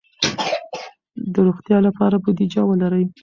د روغتیا لپاره بودیجه ولرئ.